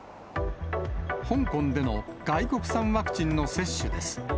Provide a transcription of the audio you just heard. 香港での外国産ワクチンの接種です。